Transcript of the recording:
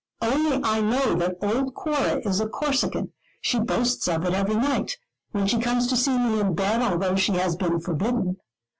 Only I know that old Cora is a Corsican: she boasts of it every night, when she comes to see me in bed, although she has been forbidden.